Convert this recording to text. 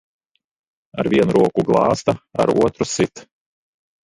Ar vienu roku glāsta, ar otru sit.